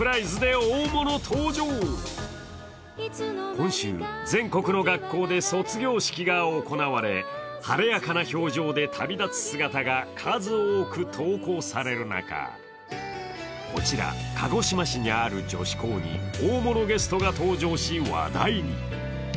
今週、全国の学校で卒業式が行われ、晴れやかな表情で旅立つ姿が数多く投稿される中、こちら、鹿児島市にある女子校に大物ゲストが登場し、話題に。